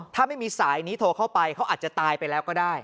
ถ้าไม่มีสายนี้โทรเข้าไปเขาอาจจะตายไปแล้วก็ได้